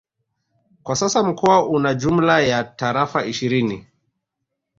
Kwa sasa mkoa una jumla ya Tarafa ishirini